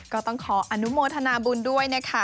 ก็ต้องขออนุโมทนาบุญด้วยนะคะ